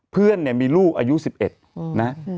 เพื่อนเนี่ยมีลูกอายุ๑๑นะ